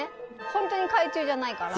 本当に海中じゃないから。